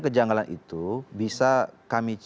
kejanggalan itu bisa